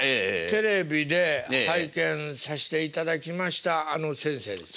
テレビで拝見させていただきましたあの先生ですか？